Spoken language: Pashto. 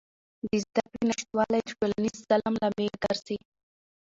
د زدهکړې نشتوالی د ټولنیز ظلم لامل ګرځي.